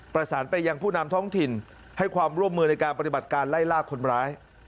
ประสานไปยังผู้นำท้องถิ่นให้ความร่วมมือในการปฏิบัติการไล่ล่าคนร้าย